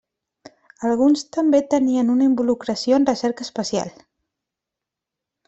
Alguns també tenien una involucració en recerca espacial.